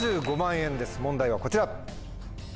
問題はこちら！